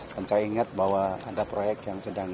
dan saya ingat bahwa ada proyek yang sedang